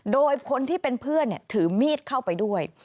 โดยคนที่เป็นเพื่อนถือมีดเข้าไปด้วย